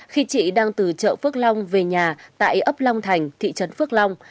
khi chị đang từ chợ phước long về nhà tại ấp long thành thị trấn phước long